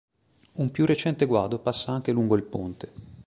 Un più recente guado passa anche lungo il ponte.